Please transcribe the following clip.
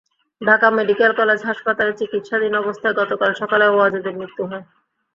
Dhaka medical college হাসপাতালে চিকিৎসাধীন অবস্থায় গতকাল সকালে ওয়াজেদের মৃত্যু হয়।